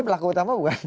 ini pelaku utama bukan